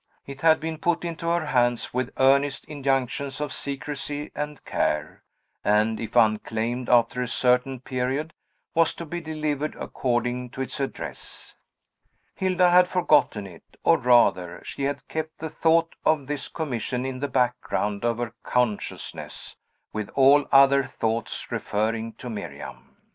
It had been put into her hands with earnest injunctions of secrecy and care, and if unclaimed after a certain period, was to be delivered according to its address. Hilda had forgotten it; or, rather, she had kept the thought of this commission in the background of her consciousness, with all other thoughts referring to Miriam.